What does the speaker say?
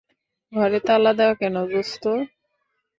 ঘরে তালা দেয়া কেন, দোস্ত?